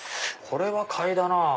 これは買いだなぁ。